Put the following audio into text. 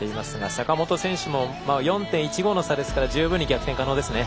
坂本選手も４．１５の差ですから十分、逆転可能ですね。